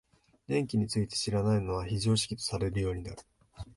電気について知らないのは非常識とされるようになる。